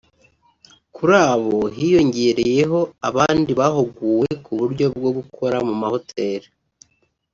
Kuri abo hiyongereyeho abandi bahuguwe ku buryo bwo gukora mu mahoteri